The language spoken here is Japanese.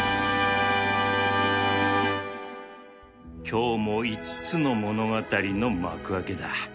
今日も５つの物語の幕開けだ